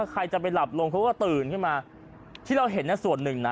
ใครจะไปหลับลงเขาก็ตื่นขึ้นมาที่เราเห็นส่วนหนึ่งนะ